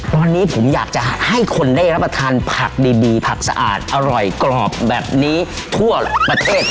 ตอนนี้ผมอยากจะให้คนได้รับประทานผักดีผักสะอาดอร่อยกรอบแบบนี้ทั่วประเทศ